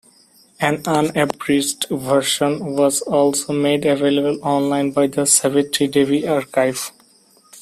An unabridged version was also made available online by the Savitri Devi archive.